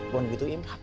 belum gituin mbak